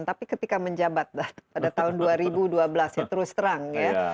tapi ketika menjabat pada tahun dua ribu dua belas ya terus terang ya